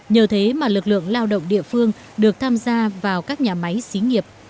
nhờ thế mà lực lượng lao động địa phương được tham gia vào các nhà máy xí nghiệp